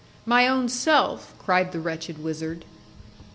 'My own self,' cried the wretched wizard.